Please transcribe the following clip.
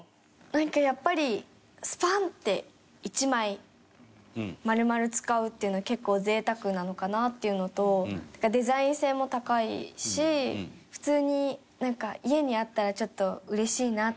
なんかやっぱりスパンって一枚丸々使うっていうの結構贅沢なのかなっていうのとデザイン性も高いし普通になんか家にあったらちょっとうれしいなっていうか。